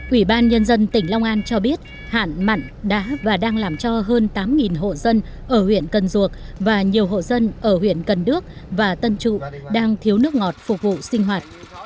ủy ban nhân dân tỉnh long an cho biết hạn mặn đã và đang làm cho hơn tám hộ dân ở huyện cần duộc và nhiều hộ dân ở huyện cần đước và tân trụ đang thiếu nước ngọt phục vụ sinh hoạt